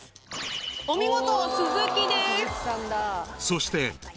お見事。